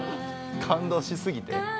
感動しすぎて？